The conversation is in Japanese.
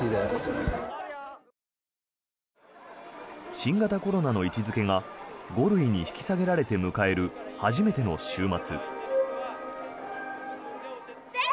新型コロナの位置付けが５類に引き下げられて迎える初めての週末。